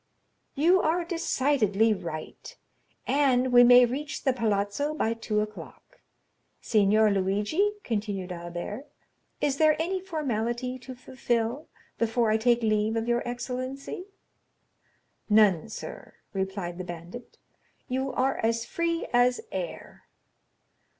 "You are decidedly right, and we may reach the Palazzo by two o'clock. Signor Luigi," continued Albert, "is there any formality to fulfil before I take leave of your excellency?" "None, sir," replied the bandit, "you are as free as air."